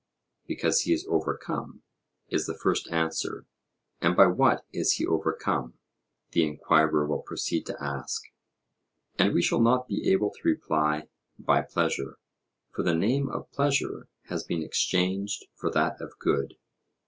Because he is overcome, is the first answer. And by what is he overcome? the enquirer will proceed to ask. And we shall not be able to reply 'By pleasure,' for the name of pleasure has been exchanged for that of good.